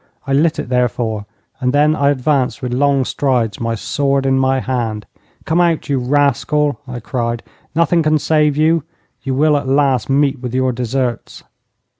I lit it, therefore, and then I advanced with long strides, my sword in my hand. 'Come out, you rascal!' I cried. 'Nothing can save you. You will at last meet with your deserts.'